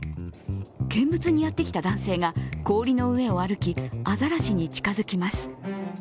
見物にやってきた男性が氷の上を歩きアザラシに近づきます。